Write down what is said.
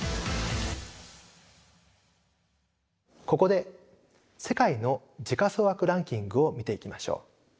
ここで世界の時価総額ランキングを見ていきましょう。